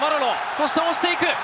そして押していく！